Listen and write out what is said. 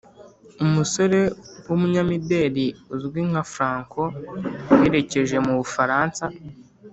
Umusore wumunyamideri uzwi nka franko yerekeje mu bufaransa